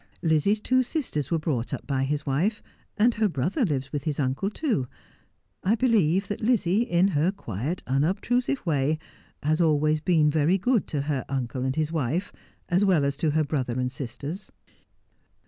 Lizzie's two sisters were brought up by his wife, and her brother lives with his uncle too. I believe that Lizzie, in her quiet, unobtrusive way, has always been very good to her uncle and his wife, as well as to her brother and sisters.'